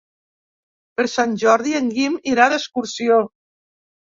Per Sant Jordi en Guim irà d'excursió.